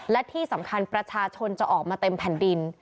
และที่สำคัญประชาชนจะออกมาเต็มแผ่นดิน